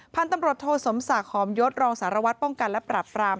พันธุ์ตำรวจโทสมศักดิ์หอมยศรองสารวัตรป้องกันและปรับปราม